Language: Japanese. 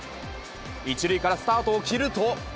１塁からスタートを切ると。